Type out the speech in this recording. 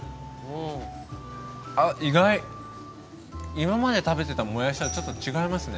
今まで食べてたもやしとはちょっと違いますね